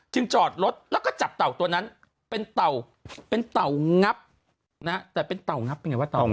จอดรถแล้วก็จับเต่าตัวนั้นเป็นเต่าเป็นเตางับนะแต่เป็นเตางับเป็นไงวะ